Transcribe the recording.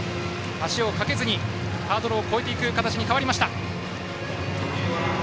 足をかけずにハードルを越えていく形に変わりました。